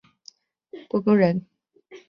郭躬人。